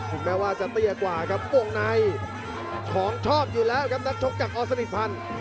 กลุ่มแม้ว่าจะเตียกกว่ากับกลงในนักชกจากออสนิทพันธ์